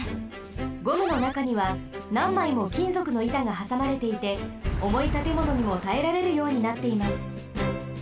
ゴムのなかにはなんまいもきんぞくのいたがはさまれていておもいたてものにもたえられるようになっています。